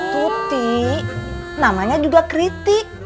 tuti namanya juga kritik